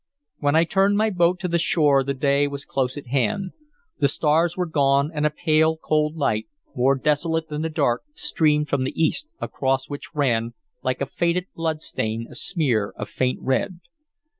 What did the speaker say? When I turned my boat to the shore the day was close at hand. The stars were gone, and a pale, cold light, more desolate than the dark, streamed from the east across which ran, like a faded blood stain, a smear of faint red.